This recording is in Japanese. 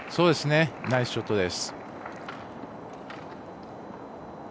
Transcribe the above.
ナイスショットです。